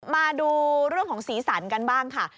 มาดูเรื่องของสีสันกันบ้างค่ะ